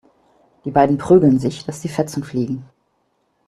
Die beiden prügeln sich, dass die Fetzen fliegen.